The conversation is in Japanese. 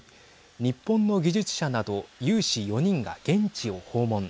日本の技術者など有志４人が現地を訪問。